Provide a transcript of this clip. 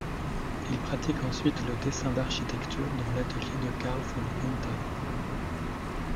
Il pratique ensuite le dessin d'architecture dans l'atelier de Carl von Gontard.